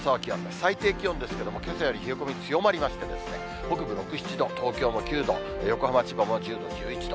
最低気温ですけれども、けさより冷え込み強まりまして、北部６、７度、東京も９度、横浜、千葉も１０度、１１度。